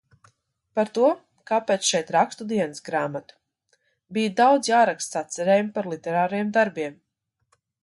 Par to, kāpēc šeit rakstu dienasgrāmatu. Bija daudz jaraksta sacerējumi par literāriem darbiem.